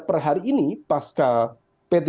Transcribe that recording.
per hari ini pasca p tiga